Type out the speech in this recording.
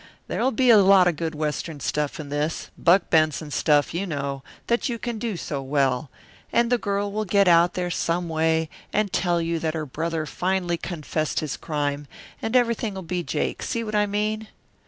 There'll be a lot of good Western stuff in this Buck Benson stuff, you know, that you can do so well and the girl will get out there some way and tell you that her brother finally confessed his crime, and everything'll be Jake, see what I mean?"